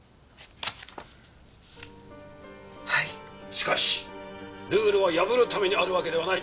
しかしルールは破るためにあるわけではない。